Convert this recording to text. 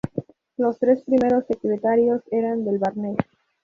Los tres primeros secretarios eran del Barnes.